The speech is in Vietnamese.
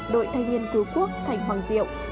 đội thanh niên cứu quốc thành hoàng diệu